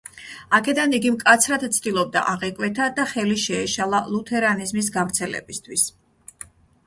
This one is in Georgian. აქედან იგი მკაცრად ცდილობდა აღეკვეთა და ხელი შეეშალა ლუთერანიზმის გავრცელებისთვის.